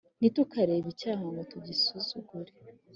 Ntitukarebe icyaha ngo tugisuzugure,